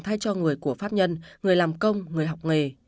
thay cho người của pháp nhân người làm công người học nghề